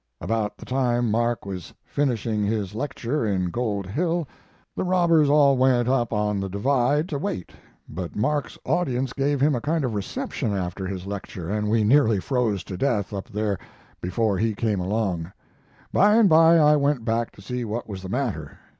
About the time Mark was finishing his lecture in Gold Hill the robbers all went up on the Divide to wait, but Mark's audience gave him a kind of reception after his lecture, and we nearly froze to death up there before he came along. By and by I went back to see what was the matter.